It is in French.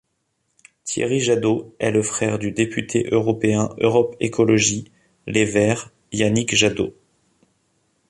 Thierry Jadot est le frère du député européen Europe Ecologie Les Verts Yannick Jadot.